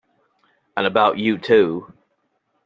And about you too!